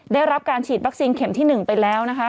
ได้รับการฉีดวัคซีนเข็มที่๑ไปแล้วนะคะ